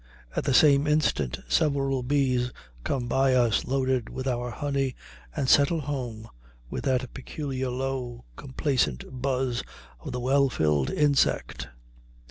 At the same instant several bees come by us loaded with our honey and settle home with that peculiar low, complacent buzz of the well filled insect.